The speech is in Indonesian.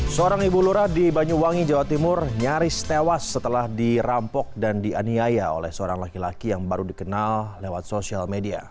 seorang ibu lura di banyuwangi jawa timur nyaris tewas setelah dirampok dan dianiaya oleh seorang laki laki yang baru dikenal lewat sosial media